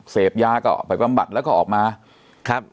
เสพยาก็ไปบำบัดแล้วก็ออกมาครับ